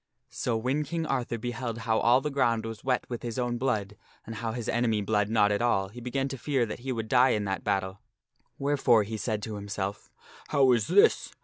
So when King Arthur beheld how all the ground was wet with his own blood, and how his enemy bled not at all, he began to fear that he would die in that battle ; wherefore he said to himself, "How is this?